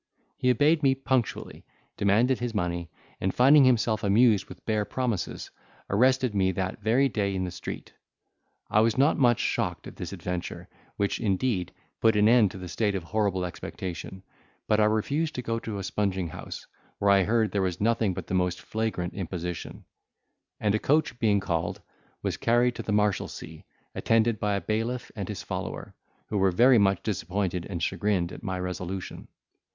He obeyed me punctually, demanded his money, and finding himself amused with bare promises, arrested me that very day in the street. I was not much shocked at this adventure, which, indeed, put an end to a state of horrible expectation: but I refused to go to a sponging house, where I heard there was nothing but the most flagrant imposition: and, a coach being called, was carried to the Marshalsea, attended by a bailiff and his follower, who were very much disappointed and chagrined at my resolution.